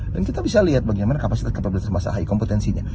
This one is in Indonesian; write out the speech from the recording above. dan kita bisa lihat bagaimana kapasitas keperluan mas ahayu kompetensinya